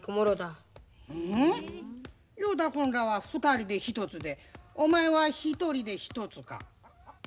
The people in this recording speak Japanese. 雄太君らは２人で１つでおまいは１人で１つか。